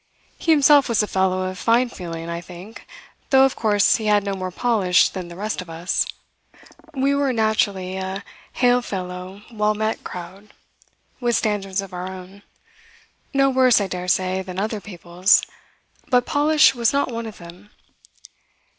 He himself was a fellow of fine feeling, I think, though of course he had no more polish than the rest of us. We were naturally a hail fellow well met crowd, with standards of our own no worse, I daresay, than other people's; but polish was not one of them.